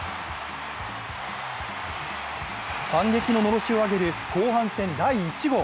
反撃ののろしを上げる後半戦第１号。